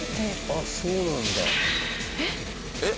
あっそうなんだ。えっ？えっ？